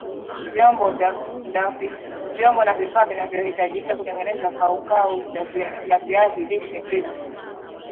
Vyombo na vifaa vinavyahitajika kutengeneza kaukau ya viazi lishe krips